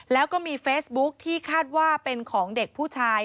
แล้วก็มีเฟซบุ๊คที่คาดว่าเป็นของเด็กผู้ชาย